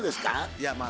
いやまあ